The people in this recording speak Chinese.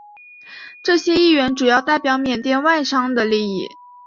这些议员主要代表缅甸外商的利益。